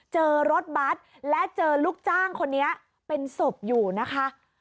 เจอรถบัตรและเจอลูกจ้างคนนี้เป็นศพอยู่นะคะ